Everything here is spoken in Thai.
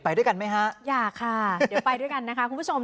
ด้วยกันไหมฮะอยากค่ะเดี๋ยวไปด้วยกันนะคะคุณผู้ชม